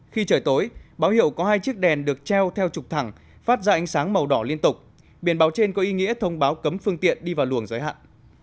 khi trời tối báo hiệu có hai chiếc đèn được treo theo trục thẳng phát ra ánh sáng màu đỏ liên tục biển báo trên có ý nghĩa thông báo cấm phương tiện đi vào luồng giới hạn